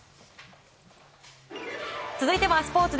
続いてはスポーツ。